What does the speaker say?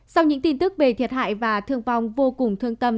sau những tin tức về thiệt hại và thương vong vô cùng thương tâm